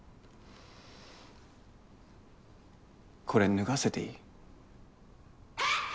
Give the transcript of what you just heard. これ脱がせていい？